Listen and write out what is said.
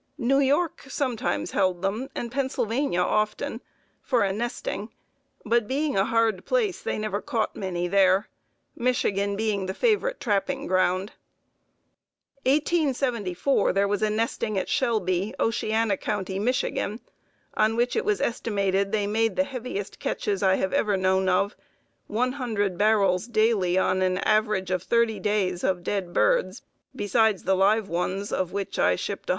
New York sometimes held them, and Pennsylvania often, for a nesting; but being a hard place they never caught many there, Michigan being the favorite trapping ground. 1874 there was a nesting at Shelby, Oceana County, Mich., on which it was estimated they made the heaviest catches I have ever known of: 100 barrels daily on an average of thirty days of dead birds, besides the live ones, of which I shipped 175,000.